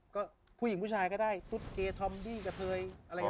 ก็ผู้หญิงผู้ชายได้กะเมึกกะเทย